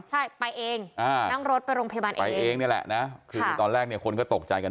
ใช่ไปเองนั่งรถไปโรงพยาบาลเองไปเองนี่แหละนะคือตอนแรกเนี่ยคนก็ตกใจกัน